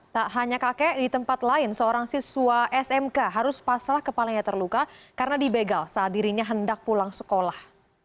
tak hanya kakek di tempat lain seorang siswa smk harus pasrah kepalanya terluka karena dibegal saat dirinya hendak pulang sekolah